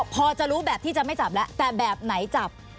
พอจะรู้แบบที่จะไม่จับแล้วแต่แบบไหนจับ